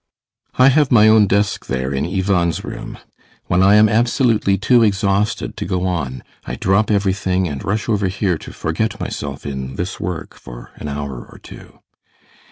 I have my own desk there in Ivan's room. When I am absolutely too exhausted to go on I drop everything and rush over here to forget myself in this work for an hour or two.